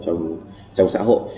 trong xã hội